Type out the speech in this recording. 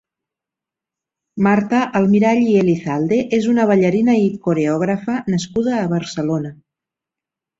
Marta Almirall i Elizalde és una ballarina i coreògrafa nascuda a Barcelona.